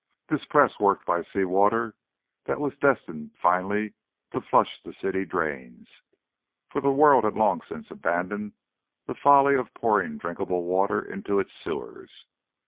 This press worked by the sea water that was destined finally to flush the city drains for the world had long since abandoned the folly of pouring drinkable water into its sewers.